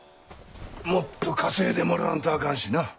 もっと稼いでもらわんとあかんしな。